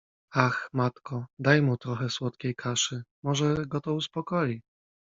Ach, matko, daj mu trochę słodkiej kaszy… może go to uspokoi.